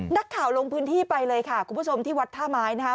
นักข่าวลงพื้นที่ไปเลยค่ะคุณผู้ชมที่วัดท่าไม้นะคะ